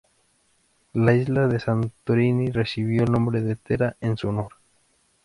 La isla de Santorini recibió el nombre de Tera en su honor.